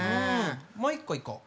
もう一個いこう。